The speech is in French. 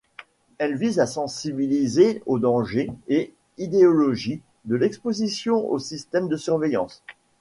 Elle vise à sensibiliser aux dangers et idéologies de l'exposition aux systèmes de surveillance.